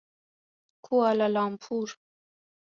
کوالالامپور